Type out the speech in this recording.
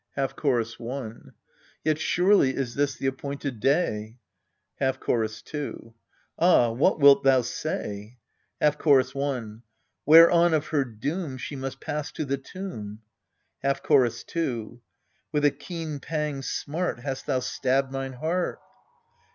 Half Chorus i. Yet surely is this the appointed day Half Chorus 2. Ah ! what wilt thou say ? Half Chorus i. Whereon of her doom she must pass to the tomb. Half Chorus 2. With a keen pang's smart hast thou stabbed mine heart.